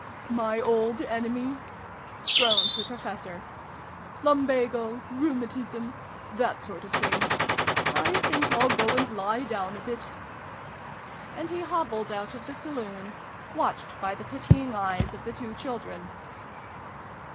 "My old enemy!" groaned the Professor. " Lumbago rheumatism that sort of thing. I think I'll go and lie down a bit." And he xxiv] THE BEGGAR'S RETURN. 393 hobbled out of the Saloon, watched by the pitying eyes of the two children.